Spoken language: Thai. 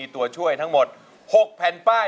ตัวช่วยทั้งหมด๖แผ่นป้าย